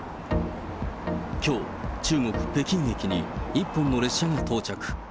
きょう、中国・北京駅に、一本の列車が到着。